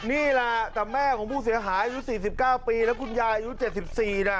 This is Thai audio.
นี่แหละแต่แม่ของผู้เสียหายอายุ๔๙ปีแล้วคุณยายอายุ๗๔นะ